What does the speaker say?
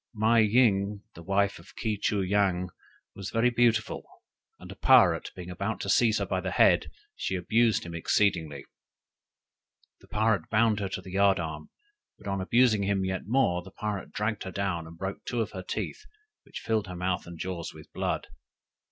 "Mei ying, the wife of Ke choo yang, was very beautiful, and a pirate being about to seize her by the head, she abused him exceedingly. The pirate bound her to the yard arm; but on abusing him yet more, the pirate dragged her down and broke two of her teeth, which filled her mouth and jaws with blood.